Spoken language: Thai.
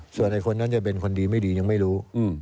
ส่วนไอ้คนนั้นจะเป็นคนดีไม่ดียังไม่รู้